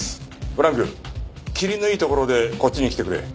ブランクきりのいいところでこっちに来てくれ。